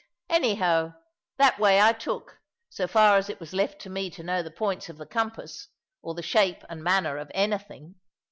Anyhow, that way I took, so far as it was left to me to know the points of the compass, or the shape and manner of anything.